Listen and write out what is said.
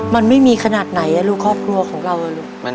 มันไม่มีขนาดไหนลูกครอบครัวของเราลูก